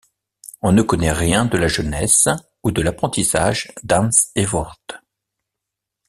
On ne connait rien de la jeunesse ou de l'apprentissage d'Hans Eworth.